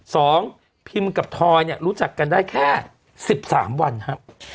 สองพิมกับทอยเนี่ยรู้จักกันได้แค่สิบสามวันครับ